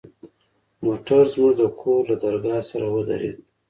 موټر زموږ د کور له درگاه سره ودرېد.